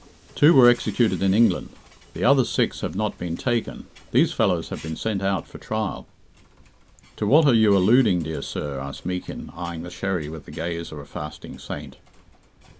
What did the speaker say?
"Two were executed in England; the other six have not been taken. These fellows have been sent out for trial." "To what are you alluding, dear sir?" asked Meekin, eyeing the sherry with the gaze of a fasting saint.